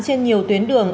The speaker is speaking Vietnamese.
trên nhiều tuyến đường